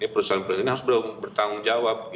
perusahaan perusahaan ini harus bertanggung jawab